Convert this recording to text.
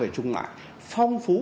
về chung loại phong phú